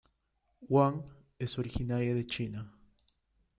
Wang, es originaria de China.